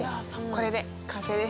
これで完成です。